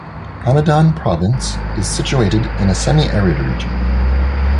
Hamedan province is situated in a semi arid region.